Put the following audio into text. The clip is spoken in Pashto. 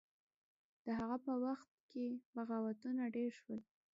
د هغه په وخت کې بغاوتونه ډیر شول.